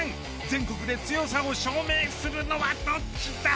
全国で強さを証明するのはどっちだ？